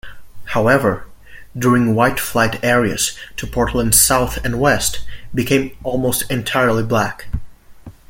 However, during White Flight areas to Portland's south and west became almost entirely Black.